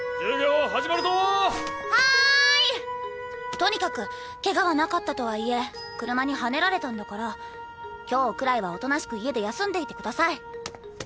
とにかくケガはなかったとはいえ車にはねられたんだから今日くらいは大人しく家で休んでいてください。